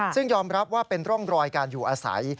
ซึ่งยอมรับว่าเป็นร่องรอยการอยู่อาศัย